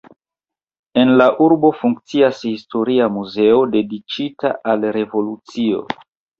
En la urbo funkcias historia muzeo dediĉita al revolucio.